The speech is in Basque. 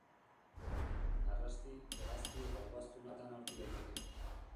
Narrasti, hegazti eta ugaztun ar guztietan aurki daiteke.